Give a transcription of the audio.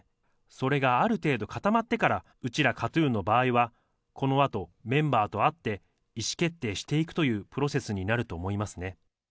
それがある程度固まってから、うちら、ＫＡＴ−ＴＵＮの場合は、このあとメンバーと会って、意思決定していくというプロセスになると思いますね。